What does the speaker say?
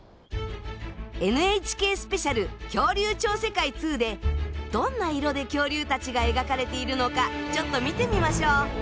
「ＮＨＫスペシャル恐竜超世界２」でどんな色で恐竜たちが描かれているのかちょっと見てみましょう。